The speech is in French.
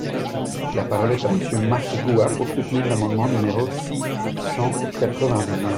La parole est à Monsieur Marc Goua, pour soutenir l’amendement numéro six cent quatre-vingt-douze.